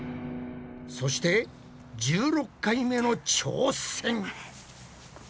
そして１６回目の挑戦。